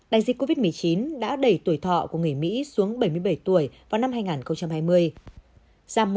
đại dịch covid một mươi chín đã đẩy tuổi thọ của người mỹ xuống bảy mươi bảy tuổi vào năm hai nghìn hai mươi